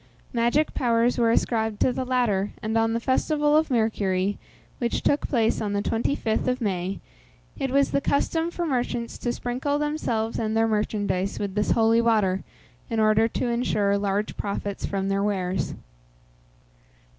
Magic powers were ascribed to the latter, and on the festival of Mercury, which took place on the 25th of May, it was the custom for merchants to sprinkle themselves and their merchandise with this holy water, in order to insure large profits from their wares.